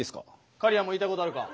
かりやも言いたいことあるか？